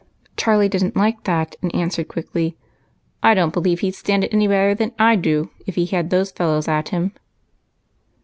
Charlie didn't like that, and answered quickly, " I don't believe he 'd stand it any better than I do, if he had those fellows at him."